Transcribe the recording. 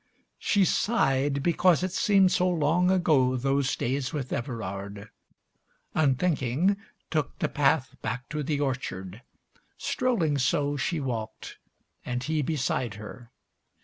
XV She sighed because it seemed so long ago, Those days with Everard; unthinking took The path back to the orchard. Strolling so She walked, and he beside her.